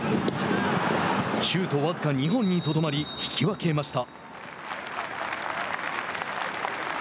シュート僅か２本にとどまり引き分けました。